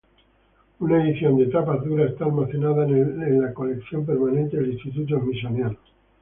Una edición de tapas duras está almacenada en la colección permanente del Instituto Smithsoniano.